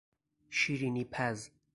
شیرینیپز